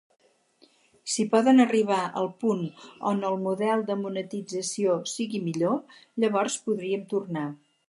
Si poden arribar al punt on el model de monetització sigui millor, llavors podríem tornar.